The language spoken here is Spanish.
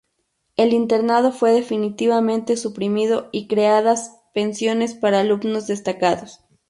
El internado fue definitivamente suprimido y creadas pensiones para alumnos destacados.